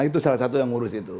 itu salah satu yang ngurus itu